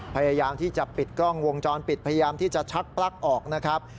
พยายามที่จะปิดกล้องวงจรปิดพยายามที่จะชักปลั๊กออกนะครับ